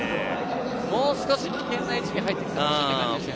もう少し危険な位置に入ってきてほしいですね。